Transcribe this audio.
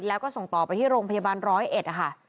แล้วก็ส่งต่อไปที่โรงพยาบาลร้อยเอ็ดนะคะ